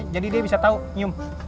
jadi dia bisa tau nyum